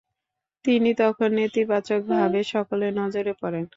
তিনি তখন নেতিবাচকভাবে সকলের নজরে পড়েন।